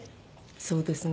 そうですね。